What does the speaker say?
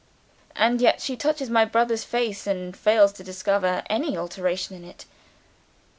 "And yet, she touches my brother's face, and fails to discover any alteration in it."